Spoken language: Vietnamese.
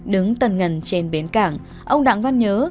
đứng tần ngân trên bến cảng ông đặng văn nhớ